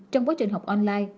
trong quá trình học online